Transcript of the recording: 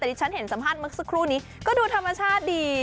แต่ที่ฉันเห็นสัมภาษณ์เมื่อสักครู่นี้ก็ดูธรรมชาติดี